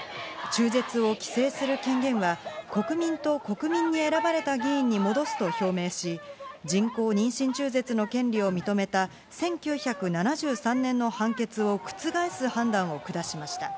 中絶を規制する権限は国民と国民に選ばれた議員に戻すと表明し、人工妊娠中絶の権利を認めた１９７３年の判決を覆す判断を下しました。